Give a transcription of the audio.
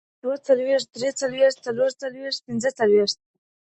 يوڅلويښت دوه څلويښت دره څلويښت څلور څلوېښت پنځه څلویښت